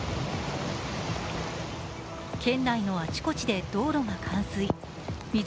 県内のあちこちで道路が冠水。